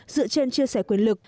dựa trên chia sẻ quyền lực